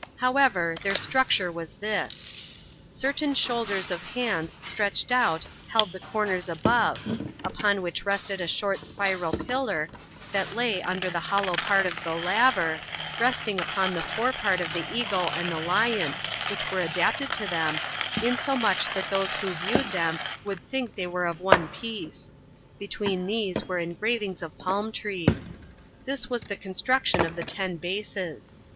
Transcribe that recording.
However, their structure was this: Certain shoulders of hands stretched out held the corners above, upon which rested a short spiral pillar, that lay under the hollow part of the laver, resting upon the fore part of the eagle and the lion, which were adapted to them, insomuch that those who viewed them would think they were of one piece: between these were engravings of palm trees. This was the construction of the ten bases.